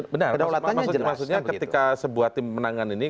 maksudnya ketika sebuah tim menangan ini